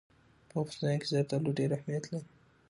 په افغانستان کې زردالو ډېر اهمیت لري.